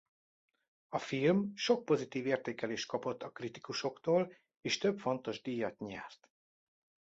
A film sok pozitív értékelést kapott a kritikusoktól és több fontos díjat nyert.